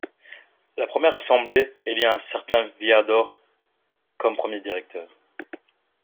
La première assemblée élit un certain Viardot comme premier directeur.